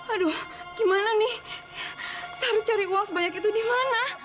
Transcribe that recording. aduh gimana nih saya harus cari uang sebanyak itu di mana